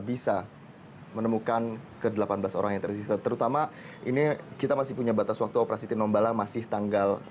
ini masih kawasan